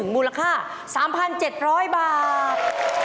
มูลค่า๓๗๐๐บาท